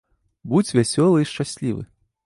Будзь вясёлы і шчаслівы!